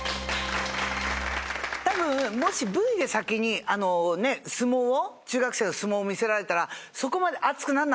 多分もしＶで先に中学生の相撲を見せられたらそこまで熱くならなかったと思うの。